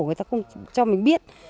người ta không cho mình biết